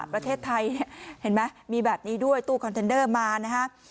ประเทศไทยเนี่ยเห็นไหมมีแบบนี้ด้วยตู้คอนเทนเดอร์มานะฮะ